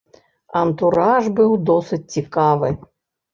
Антураж быў досыць цікавы.